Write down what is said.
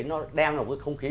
nó đem vào không khí